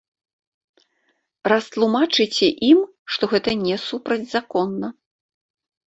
Растлумачыце ім, што гэта не супрацьзаконна.